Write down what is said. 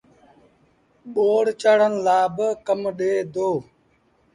ٻوڙ چآڙڻ لآ با ڪم ڏي دو